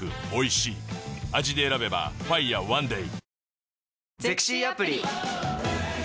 味で選べば「ＦＩＲＥＯＮＥＤＡＹ」